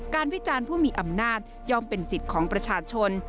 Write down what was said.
วิจารณ์ผู้มีอำนาจย่อมเป็นสิทธิ์ของประชาชน